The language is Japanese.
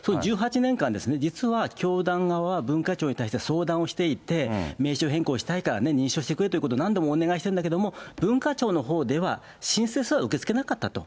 １８年間、実は教団側は文化庁に対して相談をしていて、名称変更したいからね、認証してくれということを何度もお願いしてるんだけど、文化庁のほうでは申請すら受け付けなかったと。